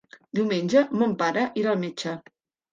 Diumenge mon pare irà al metge.